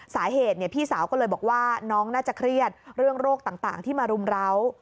สาเหตุพี่สาวก็เลยบอกว่าน้องน่าจะเครียดเรื่องโรคต่างที่มารุมร้าว